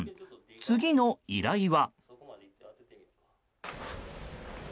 次の依頼は。